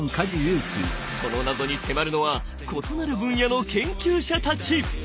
その謎に迫るのは異なる分野の研究者たち！